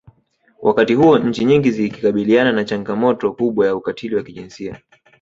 Wakati huo nchi nyingi zikikabiliana na changamoto kubwa ya ukatili wa kijinsia